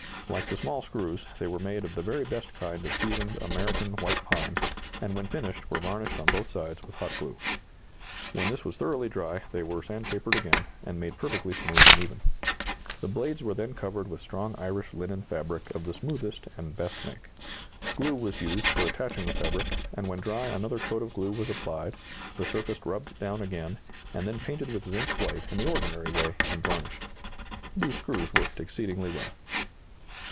Like the small screws, they were made of the very best kind of seasoned American white pine, and when finished were varnished on both sides with hot glue. When this was thoroughly dry, they were sand papered again, and made perfectly smooth and even. The blades were then covered with strong Irish linen fabric of the smoothest and best make. Glue was used for attaching the fabric, and when dry another coat of glue was applied, the surface rubbed down again, and then painted with zinc white in the ordinary way and varnished. These screws worked exceedingly well."